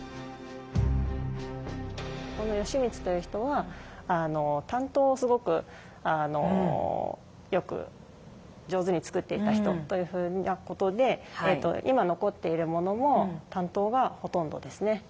この吉光という人は短刀をすごくよく上手につくっていた人というふうなことで今残っているものも短刀がほとんどですね。